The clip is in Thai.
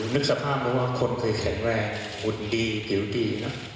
นึกสภาพว่าคนเคยแข็งแรงหุ่นดีเดี๋ยวดีนะ